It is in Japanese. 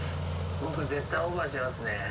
僕絶対オーバーしてますね。